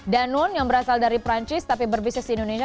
danone yang berasal dari prancis tapi berbisnis di indonesia